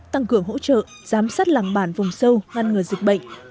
tăng cường hỗ trợ giám sát làng bản vùng sâu ngăn ngừa dịch bệnh